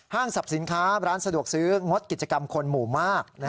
สรรพสินค้าร้านสะดวกซื้องดกิจกรรมคนหมู่มาก